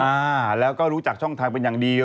อ่าแล้วก็รู้จักช่องทางเป็นอย่างดี